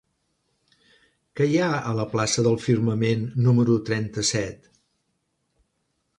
Què hi ha a la plaça del Firmament número trenta-set?